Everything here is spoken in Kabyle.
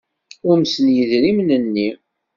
Umsen yidrimen-nni.